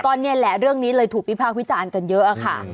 ตอนนี้แหละเรื่องนี้เลยถูกผิดภาควิจารณ์กันเยอะอะค่ะ